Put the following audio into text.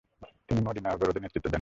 তিনি মদিনা অবরোধে নেতৃত্ব দেন।